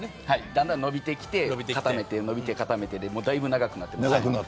だんだん伸びてきて固めて伸びてだいぶ長くなっています。